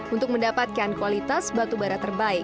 untuk mendapatkan kualitas batubara terbaik